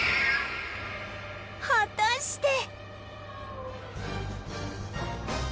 果たして？